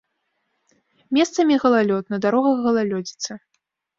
Месцамі галалёд, на дарогах галалёдзіца.